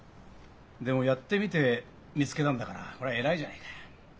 でもやってみて見つけたんだからこりゃ偉いじゃないか。